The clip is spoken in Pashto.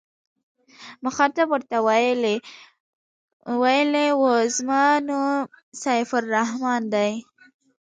مخاطب ورته ویلي و زما نوم سیف الرحمن دی.